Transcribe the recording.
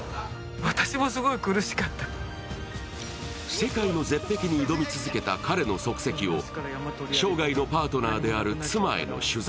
世界の絶壁に挑み続けた彼の足跡を生涯のパートナーである妻への取材、